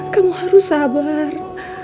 kamu harus sabar